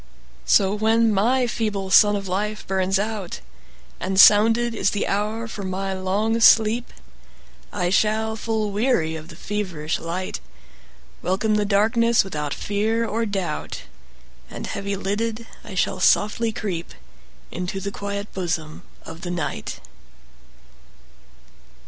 So when my feeble sun of life burns out, And sounded is the hour for my long sleep,I shall, full weary of the feverish light, Welcome the darkness without fear or doubt, And heavy lidded, I shall softly creepInto the quiet bosom of the Night.